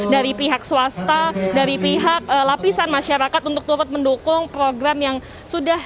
dari pihak swasta dari pihak lapisan masyarakat untuk turut mendukung program yang sudah